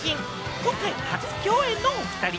今回、初共演のおふたり。